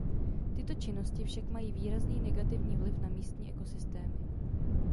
Tyto činnosti však mají výrazný negativní vliv na místní ekosystémy.